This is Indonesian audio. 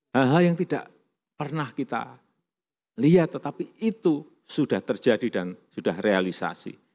hal hal yang tidak pernah kita lihat tetapi itu sudah terjadi dan sudah realisasi